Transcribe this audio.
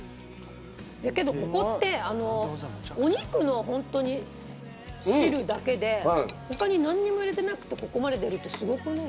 けどここってお肉のホントに汁だけで他になんにも入れてなくてここまで出るってすごくない？